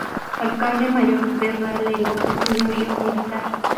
Alcalde Mayor de Realengo por Señorío: Militar.